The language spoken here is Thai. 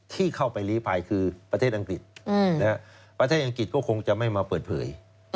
ที่เข้าไปลีภัยคือประเทศอังกฤษประเทศอังกฤษก็คงจะไม่มาเปิดเผย